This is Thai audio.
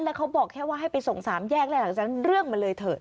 แล้วเขาบอกแค่ว่าให้ไปส่งสามแยกแล้วหลังจากนั้นเรื่องมันเลยเถอะ